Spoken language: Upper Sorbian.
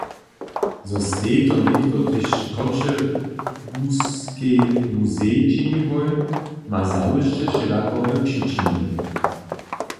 Zo stej to nětko tež Choćebuskej muzejej činiłoj, ma zawěsće wšelakore přičiny.